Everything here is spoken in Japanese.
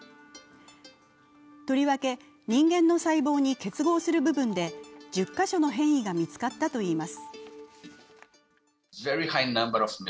とりわけ人間の細胞に結合する部分で１０カ所の変異が見つかったといいます。